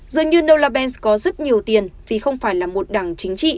dường như nella banks có rất nhiều tiền vì không phải là một đảng chính trị